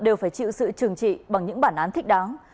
đều phải chịu sự trừng trị bằng những bản án thích đáng